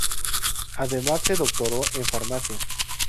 Además se doctoró en Farmacia.